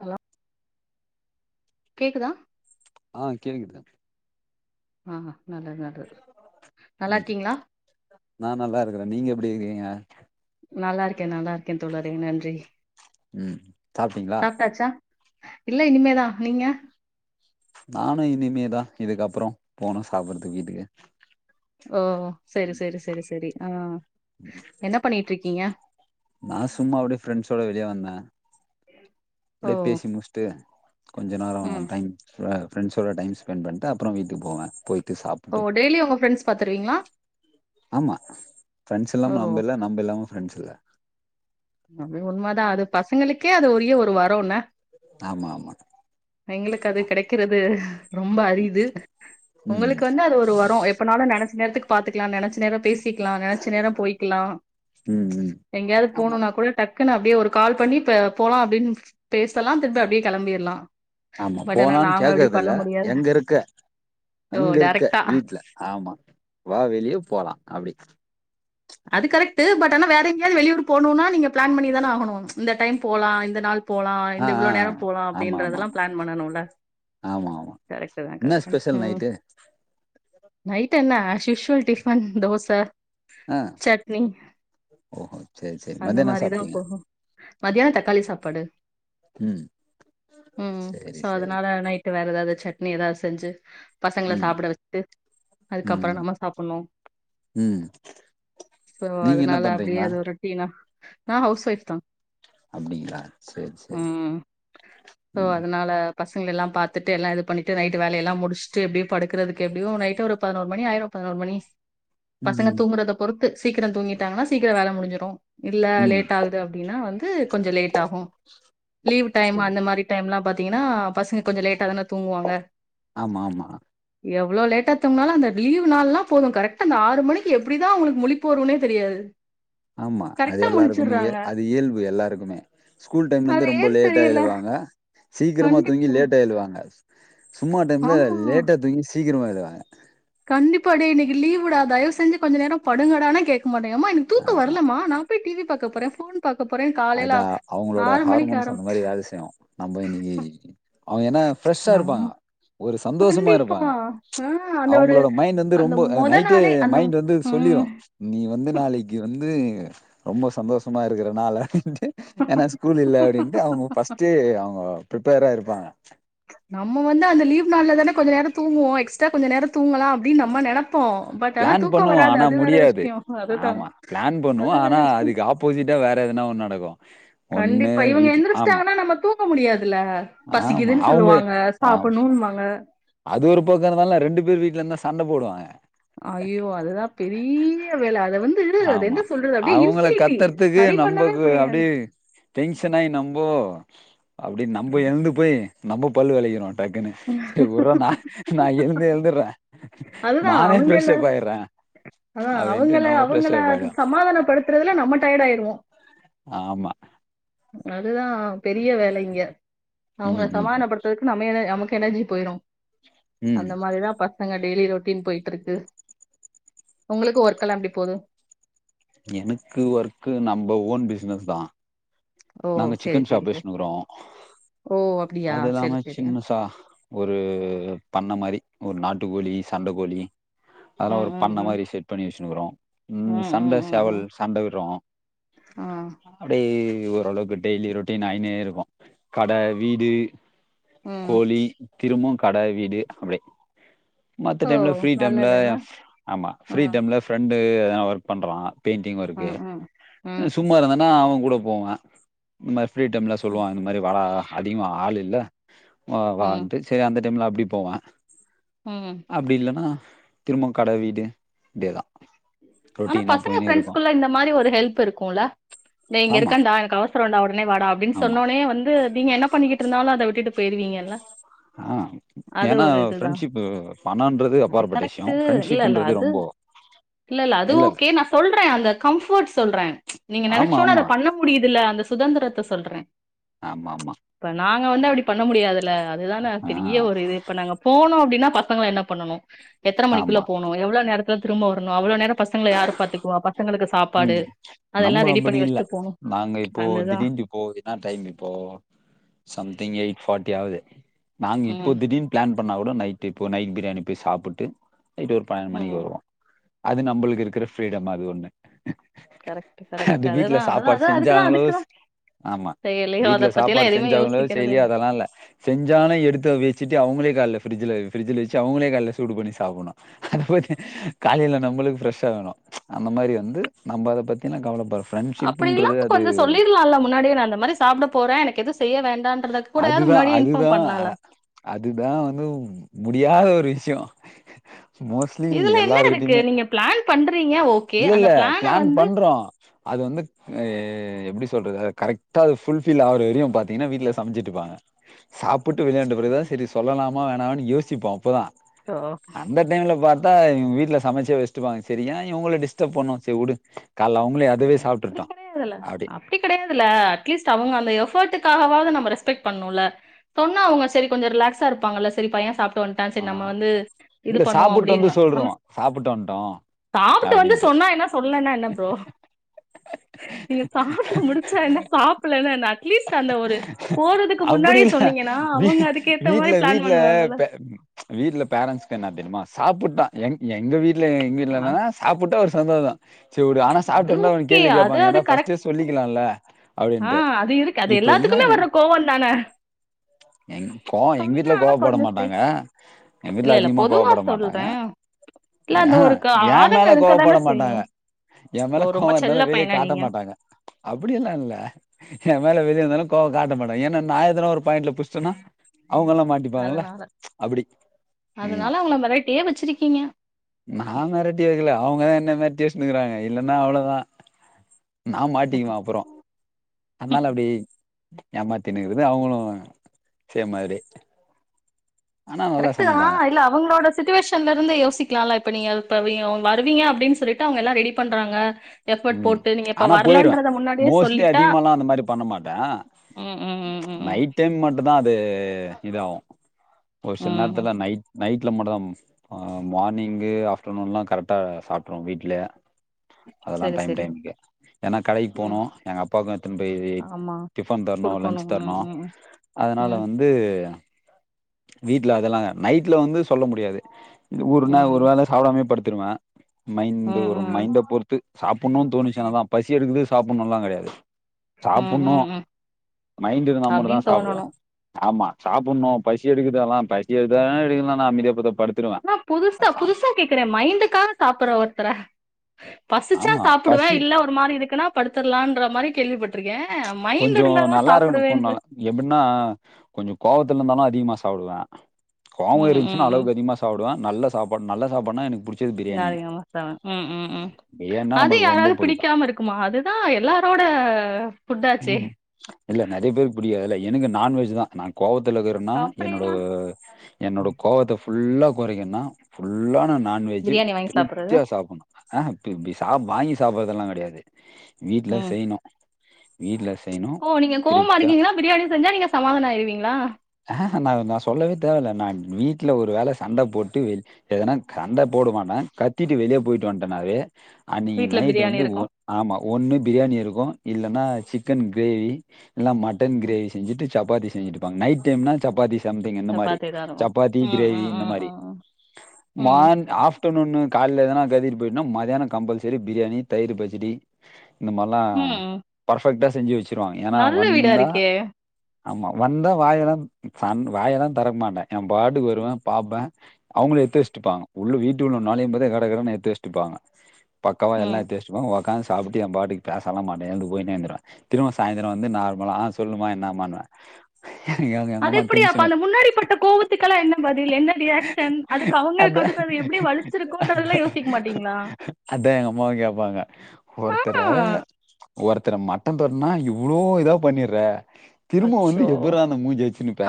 Hello கேக்குதா ஆ கேட்குது ஆ நல்லது நல்லது நல்லா ம் இருக்கீங்களா நா நல்லா இருக்கறே நீங்க எப்டி இருக்கீங்க நல்லா இருக்கேன் நல்லா இருக்கேன் தோழரே நன்றி ம் சாப்ட்டீங்களா சாப்ட்டாச்சா இல்ல இனிமேதா நீங்க நானு இனிமேதா இதுக்கப்புற போனு சாப்பறதுக்கு வீட்டுக்கு ஓ செரி செரி செரி செரி ஆ என்ன பண்ணிட்ருக்கீங்க நா சும்மா அப்டியே ஃப்ரெண்ட்ஸோட வெளியே வந்தே ம் அப்டியே பேசி முடிச்சுட்டு கொஞ்ச நேர ம் டைம் ஆ ப்ரண்ட்சோட டைம் ஸ்பெண்ட் பண்ணிட்டு அப்ற வீட்டுக்கு போவே போய் ஓ டெய்லி ஒங்க ஃப்ரெண்ட்ஸ் பாத்துருவீங்களா ஆமா ஃரெண்ட்ஸ் இல்லாம நம்ம ஓ இல்ல நம்ம இல்லாம ஃப்ரெண்ட்ஸ் இல்ல அ உண்மதா அது பசங்களுக்கே உரிய ஒரு வர ன்ன ஆமா ஆமா எங்களுக்கு அது கெடைக்கிறது ரொம்ப அரிது ம் உங்களுக்கு வந்து அது ஒரு வர எப்போனாலு நெனைச்ச நேரத்துக்கு பாத்துக்கலா நெனைச்ச நேர பேசிக்கலா நெனைச்ச நேர போயிக்கலா ஆ ம் ம் ஆமா டக்குன்னு அப்டியே ஒரு கால் பண்ணி ப போலா அப்டின்னு பேசலா திருப்ப அப்டியே கெளம்பிடலா ஆமா போலான்னு கேக்குறதுல எங்க இருக்க ஓ எங்க இருக்க டைரக்டா வீட்ல ஆமா வா வெளியே போலா அப்டி ஆஹ அது கரெக்ட்டு பட் ஆன வேற எங்கேயாவது வெளியூர் போனும்னா நீங்க பிளான் பண்ணிதான ஆகணு இந்த டைம் போலா இந்த நாள் போலா ஆ இந்த ஆ இவ்ளவு நேர போகலா ஆமா ஆமா அப்டின்றதெல்லா ஆமா பிளான் பண்ணனும்ல ஆமா ஆமா கரெக்ட்டுதா என்ன கரெக்ட் ஸ்பெஷல் ம் நைட்டு நைட் என்னா அஸ்யூசுவல் டிஃபன் தோச ஆ சட்னி ஓஹோ சேரி சேரி அந்த மதியம் என்ன மாரிதா சாப்ட்டீங்க போகு மதியான தக்காளி சாப்பாடு ம் ம் ம் சேரி சோ சேரி அதனால நைட் வேற ஏதாவது சட்னி ஏதாவது செஞ்சு பசங்கள ம் சாப்பிட வச்சுட்டு ம் அதுக்கப்பறமா நம்ம சாப்பணு ம் சோ நீங்க என்ன அதனால அப்டியே பண்றீங்களா அது ரொட்டீனா நா ஹவுஸ் ஒய்ப் தா அப்டிங்களா சேரி சேரி ம் பசங்க எல்லா பாத்துட்டு எல்லா இது பண்ணிட்டு நைட்டு வேல எல்லா முடிச்சுட்டு எப்டியு படுக்கிறதுக்கு எப்டியு நைட்டு ஒரு பதினோருமணி ஆய்ரு ஒரு மணி ம் தூங்குறத பொறுத்து சீக்கிர தூங்கிட்டாங்கா சீக்கிர வேல முடி்சிடு இல்ல ம் லேட் ஆகுது அப்டின்னா வந்து கொஞ்ச லேட்டாகு லீவ் டைம் சேரி அந்த மாரி டைம்லா பாத்தீங்கன்னா பசங்க கொஞ்ச லேட்டா தான தூங்குவாங்க ஆமா ஆமா யோ அவ்ளோ லேட்டாத் தூங்னாலு அந்த லீவ் நாள்னா போது கரக்டா அந்தாறு மணி எப்டிதா அவுங்ளுக்கு முலிப்பு வருனே தெரியாது ஆமா அது கரெக்டா எல்லாருக்குமேயே முழிச்சிடுறாங்க அது இயல்பு எல்லாருக்குமே ஸ்கூல் அது டைம்லந்து ரொம்ப ஏன்னு லேட்டா தெரியல எழுவாங்க சீக்கிரமா தூங்கி கண்டிப்பா லேட்டா எழுவாங்க சும்மா டைம்ல ஆமா லேட்டா தூங்கி சீக்கிரமா எழுவாங்க கண்டிப்பா டே இன்னக்கி லீவ் டா தயவு செஞ்சு கொஞ்ச நேர படுங்கடான கேக் மாட்டேயிங் எனக்கு தூக்க ஆமா வரலமா நா போய் டி வி பாக்க போற ஃபோன் பாக்க போறே அது காலைல அ- ஆறு மணிக்கு ஆரம்பிச் நம்ப இன்னக்கி அவுங்க என்ன ஃப்ரெஷா நம்ம இருப்பாங்க ஒரு சந்தோஷமா கண்டிப்பா இருப்பாங்க ஆஹ் அந்த ஒரு அவுங்களோட மைண்டு வந்து அந்த ரொம்ப அ முத நைட்டே நாளே அந்த மைண்டு வந்து சொல்லிடு உம் நீ வந்து நாளக்கி வந்து ரொம்ப சந்தோஷமா இருக்றநால ஏன்னா ஸ்கூல் இல்ல அப்படின்ட்டு அவுங்க ஃபர்ஸ்ட்டே அவுங்க பிரிப்பேரா இருப்பாங்க நம்ம வந்து அந்த லீவ் நால தான கொஞ்சநேர தூங்குவோ எக்ஸ்ட்ரா கொஞ்ச நேர தூங்கல அப்டின் நம்ம நெனப் பிளான் பண்ணுவோ ஆனா முடியாது விஷயம் அதுதான் ஆமா பிளான் பண்ணுவோ அது வேற ஆனா விஷயம் அதுக்கு ஆப்போசிட்டா வேற எதுனா ஒண்ணு நடக்கு ஒண்ணு கண்டிப்பா வீட்டு ஆமா இதுல ஆமா பசிக்குதுனு அவங்க சொல்வாங்க ஆ சாப்புண்ணுனு வாங்க அது ஒரு பக்கோ இருந்தாலும் ரெண்டு பேர் வீட்ல இருந்தா சண்ட போடுவாங்க ஐயோ அதுதா பெரிய வேல அத வந்து அத என்ன சொல்றது அது இன்ஃபினிட்டி இல்ல சரி பண்ணவே நம்பக்கு அப்டே முடியாது. டென்ஷன் ஆயி நம்போ அப்டி நம்ப எழுந்து போய் நம்ப பல்லு வெளக்கிறோன் டக்குன ஏ உர்றா நா நா எழுந்து எழுந்தர்ற அதுதா அவுங்க எல்லாரு ஆ அப்டின்ட்டு அவுங்கள நம்ம ஃப்ரெஷ் அவுங்கள அப் ஆயிடுவோ சமாதானப்படுத்துறதுல நம்ம டயர்ட் ஆயிருவோ ஆமா அதுதா பெரிய வேல இங்க அவுங்கள ம் ம் சமாதனப்படுத்ததுக்கு நம்ம எத நமக்கு எனர்ஜி போயிறு ம் அந்த மாரிதா பசங்க டெய்லி ரொட்டின் போய்ட்டுருக்கு உங்களுக்கு ஒர்க்கெல்லா எப்டி போது எனக்கு ஒர்க்கு நம்ப ஓன் பிசினஸ்தா ஓ! நாங்க சரி, சிக்கன் சரி, ஷாப் சரி. வெச்னுருக்றோ ஓ! அப்படியா? அது சரி, இல்லாம சரி. சின்னசா ஒரு பண்ண மாரி ஒரு நாட்டுக்கோழி சண்ட கோழி அதெலா ம், ஒரு ம், பண்ண ம். மாரி செட் பண்ணி வெச்னுக்றோ ம் சண்ட சேவல் சண்ட விடுறோ ஆ, அப்டே ஓரளவுக்கு டெய்லி ரொட்டீன் ஆய்னே இருக்கு கட வீடு ம். கோழி திரும்பவு கட வீடு அப்டி மத்த ஓ! டைம்ல ஃப்ரீ டைம்ல நல்லது என்ன? ஆமா ஃப்ரீ ம், டைம்ல ஃப்ரெண்டு எதனா ஒர்க் பண்றா பெயிண்டிங் ஒர்க்கு ம், ம். ம். சும்மா இருந்தனா அவங் கூட போவ இந்த மார் ஃப்ரீ டைம்ல சொல்வா இந்த மாரி வாடா அதிகமா ஆள் இல்ல வா ம் வான்ட்டு சேரி அந்த டைம்ல அப்டி போவ ம் அப்டி இல்லன்னா திரும்ப கட வீடு இப்டியேதா ஆனா ரொட்டீனா பசங்க போயினே இருக்கு ஃப்ரெண்ஸ்க்குள்ள இந்த மாரி ஒரு ஹெல்ப் இருக்குல்ல டே இங்க ஆமா இருக்கண்டா எனக்கு அவசரன்டா உடனே வாடா அப்டினு ஆமா சொன்னோனே வந்து நீங்க என்ன பண்ணிக்கிட்டு இருந்தாலு அத விட் டுட்டு போயிருவிங்கல்ல ஆ ஏனா ஃப்ரெண்ட்ஷிப் பணோன்றது அது அப்பாற்ப்பட்ட விஷய கரெக்ட்டு இல்ல இல்ல ஃப்ரெண்ட்ஷிப்ன்றது அது ரொம்ப இல்ல ல்லல அது ஓகே நா சொல்ற அந்த கம்ஃபர்ட் சொல்ற நீங்க ஆமா, நினச்சோன அத ஆமா. பண்ண முடியுதுல இந்த சுதந்திரத்த சொல்ற ஆமாமா நாங்க வந்து அப்படி பண்ண முடியாதுல்ல அதுதா ஆ, பெரிய ஒரு இது இப்ப நாங்க போனோ அப்டின்னா பசங்கள என்ன பண்ணனு எத்தன மணிக்குள்ள ஆமா. போணு எவ்ளோ நேரத்துல திரும்ப வரணு அவ்ளோ நேர பசங்கள யாரு பாத்துக்குவா பசங்களகு சாப்பாடு ம். அதெல்லா நம்ப ரெடி அப்படி பண்ணி இல்ல. வச்சிட்டு போனு நாங்க இப்போ அந்ததா திடீர்ன்ட்டு இப்போ என்ன டைம் இப்போ சம்திங் எயிட் பார்ட்டி ஆகுது நாங்க இப்போ ம் திடீர்னு பிளான் பண்ணா கூட நைட் இப்போ நைட் பிரியாணி போய் சாப்பிட்டு இட்டு ஒரு பன்னண்டு மணிக்கு ம் வருவோ அது நம்பளுக்கு இருக்குற ஃப்ரீடம் அது ஒன்னு கரெக்ட் கரெக்ட் அது வீட்டுல அதுதா அதுதா சாப்பாடு அதா அதுக்குதா செஞ்சாங்ளோ அதுக்குதா ஆமா செயலியோ அத வீட்ல பத்திலா சாப்பாடு எதுவுமே செஞ்சவங்களோ யோசிக்கிறதே செய்லியோ அதல்லா இல்ல செஞ்சாலு எடுத்து வச்சுட்டு அவங்களே காலைல ஃபிரிஜுலே ஃபிரிஜுலே வச்சு அவங்களே காலையில் சூடுபண்ணி சாப்புட்ணு அத பத்தி காலைல நம்பளுக்கு ஃபிரஷ் வேணு அந்த மாதுரி வந்து நம்ப அத பத்தில்லா கவலப் பட அப்படி இல்லா கொஞ்ச சொல்லிடலா இல்ல முன்னாடியே நா அந்த மாரி சாப்புட போறே எனக்கு எதுவு செய்ய வேண்டாம்றதே கூடா த அதுதா அதுதா வந்து முடியாத ஒரு விஷ்யோ மோஸ்லி இதுல என்ன இருக்கு எல்லாருகிட்டயுமே நீங்க பிளான் பண்றீங்க ஓகே அந்த இல்லல்ல பிளான ப்ளான் வந்து பண்றோ அது வந்து எப்டி சொல்றது கரெக்டா ஃபுஃபில் ஆவுரவரயு பாத்தீங்கனா வீட்ல சமச்சிட்டுருப்பாங்க சாப்ப விட்டு விளையாண்ட பிறகு தா சரி சொல்லலாமா வேணாமான்னு யோசிப்போ அப்பதா அச்சோ அந்த டைம்ல பாத் எங்க வீ்ட்ல சமைச்சு வச்சுட்டுருப்பாங்க சரி ஏ இவங்கள டிஸ்ட்ரப் பண்ணனு சரி உடு அப்டி கடையாதுல அப்டி கடையாதுல அட்லீஸ்ட் அவங்க அந்த எஃபோ ர்ட்டு அதுக்காகவாது நம்ம ரெஸ்பெக்ட் பண்ணனுல்ல சொன்னா அவங்க சரி கொஞ்ச ரிலாக்ஸா இருப்பாங்கல்ல சரி பைய சாப் ட்டு வன்ட்டா ஆ செரி நம்ம வந்து இது இல்ல பண்ணுவோ சாப்புட்டு அப்படின்னு வந்து நம்ம சொல்ருவோ சாப்புட்டு வந்ட்டோ சாப்புட்டு வந்து அப்டின்ட்டு சொன்னா என்ன சொல்லேன்னா என்ன ஃப்ரோ நீங்க சாப்ட்டு முடிச்சா என்ன சாப்புலேன்னா என்ன அட்லீஸ்ட் அந்த ஒரு போறதுக்கு அப்டி முன்னாடி இல்ல சொன்னீங்க வீ வீட்ல வீட்ல பே வீட்ல ஃபேரன்ட்ஸ்கு என்ன தெரியுமா சாப்புட்டா எங் எங்க வீட் ல இங்க வீட்ல அ என்னன்னா சாப்புட்டா ஒரு சந்தோஷோ செரி வுடு ஆனா அது சாப்புட்டு வந்தா ஒரு ஓகே கேள்வி அது கேட்பாங்க அது ஏன்டா கரெக்ட் ஃபர்ஸ்ட்டே சொல்லிக்கலால்ல ஆ அப்டின்ட்டு அது இருக்கு அது இப்ப என்ன எல்லாத்துக்குமே வர்ற கோவந் தான எங் கோவோ எங்க வீட்டுல சொன்னா கோவப்பட கொஞ்ச செய் மாட்டாங்க எங்க வீட்டுல இல்ல இல்ல அதிகமா பொதுவா கோவப்பட மாட்டாங்க சொல்றே இல்ல ஏ அந்த ஒரு க ஏன் ஆதங்க மேல இருக்கதான கோவப்பட செய்யு மாட்டாங்க ஏ மேல ஓ ரொம்ப கோவோ செல்ல இருந்தாலு வெளிய பையனா காட்ட நீங்க மாட்டாங்க அப்டி எல்லா இல்ல ஏ மேல வெளிய வந்தாலு கோவ காட்ட மாட்டாங்க ஏன்னா நா எதனா ஒரு பாயிண்ட்ல புடிச்சிட்டேன்னா அவுங்கல்லா மாட்டிப்பாங்கல்ல அதனால அப்புடி ஆமா அதனால அவங்கள மெரட்டியே வச்சிருக்கீங்க நா மெரட்டி வெக்கல அவுங்க தா என்ன மெரட்டி வச்சு இன்னுக்குறாங்க இல்லன்னா அவ்ளோதா நா மாட்டிக்குவே அப்பறோ அதுனால அப்டி ஏமாத்தினுங்கிறது அவுங்களு செய்ற மாரி கரெக்டு தா இல்ல அவுங்களோட சிச்சுவேஷன்ல இருந்து யோசிக்கலால்ல இப்ப நீங்க இப்ப நீங்க ஒன் வருவீங்க அப்டின்னு சொல்லிட்டு அவுங்க எல்லாம் ரெடி பண்றாங்க எஃபர்ட் ம் போட்டு நீங்க இப்ப ஆனா போயிருவே வரலன்றத முன்னாடியே மோஸ்ட்லி சொல்லிட்டா அதிகமால்லா அந்த மாரி பண்ண மாட்டே ம் ம் ம் ம் ம் நைட் டைம் மட்டுந்தா அது இது இதாகும் ஒரு சில ம் ம். நேரத்துல நைட் நைட்ல மட்டுந்தா மா மார்னிங்கு ஆப்டர்நூன்லா கரெக்டா சாப்ட்டுருவோ வீட்ல அதல்லா சரி டைம் சரி டைமுக்கு ஏன்னா கடைக்கு ம் போனோ எங்க அப்பாவுக்கு எடுத்துன்னு போய் இ ஆமா டிஃபன் தரணு லஞ்ச் கொடுக்கணும் ம் தரணு ம் அதுனால ம் வந்து வீட்டுல அதெல்லா நைட்ல வந்து சொல்ல முடியாது ஒரு ம் நா ஒரு ம் வேள சாப்புடாமயே படுத் ருவே மைண்ட் ம் ஒரு மைண்ட பொறுத்து சாப்புன்னு தோணுச்சுனாதா பசி எடுக்குது சாப்புடணுனெல்லா கெடையாது ம் சாப்புன்ணு ம் ம் மைண்ட் இருந்தா மட்டுந்தா அப்படின்னு சாப்புடுவே தோணணும் ஆமா சாப்புன்னு பசி எடுக்குதுதால்லா பசி எடுத்தா எடுக்கலைனா அமைதியா பதுப் நான் புதுசா புதுசா கேக்குறேன் மைண்டுக்காகது சாப்பிடுற ஒருத்தரை பசிச்சா ஆமா சாப்பிடுவேன் பசி இல்லே ஒரு மாதிரி இருக்குன்னா படுத்தர்லான் மாதிரி கேள்விப்பட்டிருக்கேன் மைண்ட் கொஞ்சம் இருந்தாதான் நல்லா சாப்பிடுவேன்ற இருக்கணும் எப்படின்னா கொஞ்சம் கோவத்துல இருந்தாலும் அதிகமா சாப்டுவேன் கோவம் ம் ம் இருந்துச்சுன்னா ம் அளவுக்கு அதிகமா சாப்டுவேன் நல்ல சாப்பாடு நல்ல சாப்பாட்னா எனக்கு புடிக் நா அதிகமா தாவே ம் ம் ம் பிரியாணினா அது நம்மளுக்கு ரொம்ப யாராவது புடிக்கு பிடிக்காம இருக்குமா அதுதா எல்லாரோட ஃபுட்டாச்சே ம் இல்ல நெறைய பேருக்கு புடிக்காதுல்ல எனக்கு நான்வெஜ் தா நா கோவத் துல இருக்குறேனா என்னோட அப்படியெல்லா என்னோட கோபத்த ஃபுல்லா கொறைக்கனுன்னா ஃபுல்லா நான் நான்வெஜ்ஜு பிரியாணி வாங்கி சாப்பிடுறது திருப்தியா சாப்பிட்ணு ஆ இப்டி இப்டி சாப்றது வாங்கி சாப்புறதெல்லா கெடையாது வீட்ல ம் செய்ணு ஓ நீங்க கோவமா இருக்கீங்களா பிரியாணி செஞ்சா நீங்க சமாதானோ ஆயிருவீங்களா நா நா சொல்லவே தேவயில்ல நா வீட்டுல ஒரு வேல சண்ட போட்டு வெளி எதனா கண்ட போடமாட்டே கத்திட்டு வெளிய போயிட்டு வன்ட்டனாவே அ நீங்க வீட்ல நைட் பிரியாணி வந்து இருக்கும் ஆமா ஒண்ணு பிரியாணி இருக்கு இல்லன்னா சிக்கன் க்ரேவி இல்லனா மட்டன் ம், க்ரேவி செஞ்சுட்டு சப்பாத்தி செஞ்சுட்ருப்பாங்க நைட் டைம்னா சப்பாத்தி சம்திங் இந்த மாரி சப்பாத்தி தான் இருக்கும் சப்பாத்தி ம் கிரேவி ம் இந்த ம் மாரி ம் ம் மார் ஆப்டர்நூனு கால்ல எதனா கதிட்டு போய்டனா மத்தியானோ கம்பல்சரி பிரியாணி தயிர் பச்சிடி இந்த மார்லா ம் ம். பர்ஃபெக்ட்டா செஞ்சு வச்சுருவாங்க ஏன்னா நல்ல வீடா வந்தா இருக்கே ஆமா வந்தா வாயெல்லா சண் வாயெல்லா தொறக்க மாட்டே ஏ பாட்டுக்கு வருவே பாப்பே அவுங்களே எடுத்து வச்சுட்ருப்பாங்க உள்ள வீட்டு உள்ள நொளையும் போதே கட கடனு எடுத்து வச்சுட்ருப்பாங்க பக்கவா எல்லா ம் எத்து வச்ருப்பாங்க ஒக்காந்து சாப்ட்டு என் பாட்டுக்கு பேசலா மாட்டே எழுந்து போயினேந்துருவே திரும்ப சாயந்திர வந்து நார்மலா அ சொல்லுமா என்னாமான்னுவே அது எப்டி அப்ப அந்த முன்னாடி பட்ட கோவத்துக்கெல்லா என்ன பதில் என்ன ரியாகஷன் அதுக்கு அவுங்க மாட்டீங்களா அதா எங்க அம்மாவு கேப்பாங்க ஒருத்தர் ஆ, த ஒருத்தர மட்ட தட்னா இவ்ளோ இதா பண்ணிர்ற திரும்ம வந்து அச்சோ எப்புரா அந்த மூஞ்ச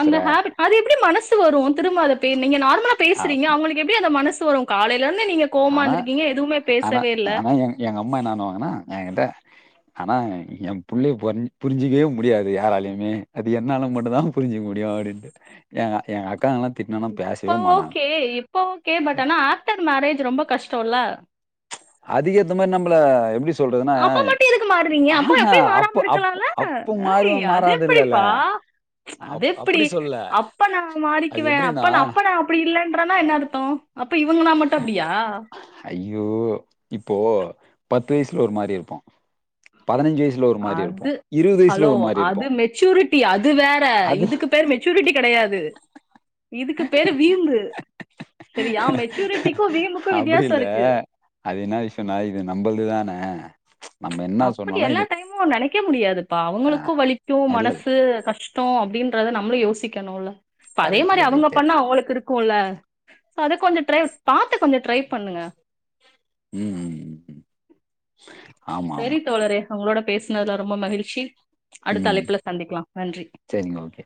அந்த ஹேபி அது எப்டி மனசு வரு திரும்ப அத பே நீங்க நார்மலா அ பேசுறீங்க அவங்களுக்கு எப்டி அந்த மனசு வரு காலைலர்ந்து நீங்க கோவமா ஆனா இருந்துருக்கீங்க எதுமே ஆனா பேசவே இல்ல ஆனா எங் எங்க அம்மா என்ன பண்ணுவாங்கன்னா என்கிட்ட ஆனா ஏன் புள்ளைய பொர் புரிஞ்சிக்கவே முடியாது யாராலயுமே அது என்னால மட்டுந்தா புரிஞ்சிக்க முடியு அடின்ட்டு ஏங்க ஏங் அக் இப்ப ஓகே இப்ப ஓகே பட் ஆனா ஆஃப்டர் மேரேஜ் ரொம்ப கஷ்டொல்ல அதுக்கேத்த மாரி நம்ள எப்டி சொ அப்ப மட்டு எதுக்கு மார்றீங்க அப்ப அப்பயு மாறாம அப்ப அப் இருக்கலால அப்ப மாறுவ அய் அது மாறாதில்லல்ல எப்டிப்பா அது அப் எப்டி அப்டி சொல்ல அப்ப நா அது மாறிக்குவே எப்டின்னா அப்ப நா அப்ப நா அப்டி இல்லன்றனா என்ன அர்த்தோ ஐயோ இப்போ பத்து வய்ஸ்ல ஒரு மாரி இருப்போ ல்ல ஒரு மாரி இருப்போ அது இரு ஹலோ அது மெச்சூரிட்டி அது வேற அது இதுக்கு பேரு மெச்சூரிட்டி கெடையாது இதுக்கு பேரு வீம்பு செரியா மெச்சூரிட்டிக்கு வீம்புக்கு அப்டி வித்தியாசொ இல்ல இருக்கு அது என்ன விஷயன்னா இது நம்புல்து தான அப்டி எல்லா டைமு நெனைக்க முடியாதுப்பா ஆ அவங்குளுக்கு வலிக்கு இல்ல மனசு கஷ்டொ அப்டின் கிறத நம்ளு யோசிக்கணுல இப்ப அதே கரெக்ட்டு மாரி அவங்க கரெக்ட்டு பண்ணா அவங்களுக்கு இருக் க்குல அத கொஞ்சோ ட்ரை பாத்து கொஞ்சோ ட்ரை பண்ணுங்க ம் ம் ம் ம் செரி தோழரே ஒங்ளோட பேஸ்னதுல ரொம்ப மகிழ்ச்சி அடுத்த ம் அழைப்புல சந்திக்கலா நன்றி சரிங்க ஓகே